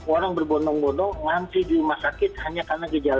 orang berbonong bonong ngantri di rumah sakit hanya karena gejala